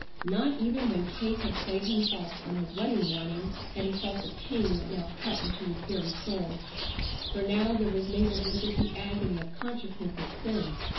Not even when Kate had played him false on his wedding morning had he felt the pain that now cut into his very soul. For now there was mingled with it the agony of consciousness of sin.